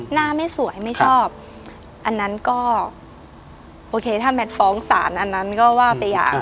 หน้าไม่สวยไม่ชอบอันนั้นก็โอเคถ้าแมทฟ้องศาลอันนั้นก็ว่าไปอย่าง